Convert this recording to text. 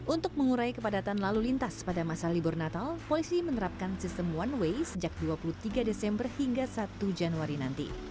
untuk mengurai kepadatan lalu lintas pada masa libur natal polisi menerapkan sistem one way sejak dua puluh tiga desember hingga satu januari nanti